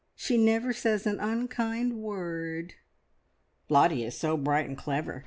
She never says an unkind word." "Lottie is so bright and clever.